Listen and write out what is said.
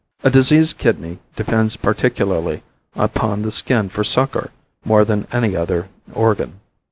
A diseased kidney depends particularly upon the skin for succor more than any other organ.